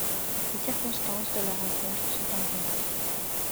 Les circonstances de leurs rencontre sont inconnues.